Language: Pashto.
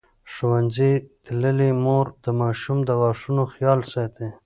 ښوونځې تللې مور د ماشوم د غاښونو خیال ساتي.